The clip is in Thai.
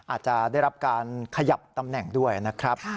อาจจะได้รับการขยับตำแหน่งด้วยนะครับ